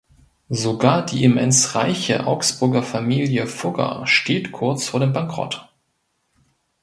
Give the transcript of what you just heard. Sogar die immens reiche Augsburger Familie Fugger steht kurz vor dem Bankrott.